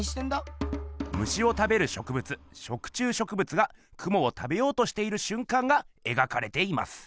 虫を食べる植物食虫植物がクモを食べようとしているしゅんかんが描かれています。